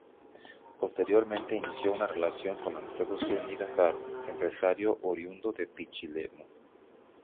Posteriormente inició una relación con Alfredo Zúñiga Caro, empresario oriundo de Pichilemu.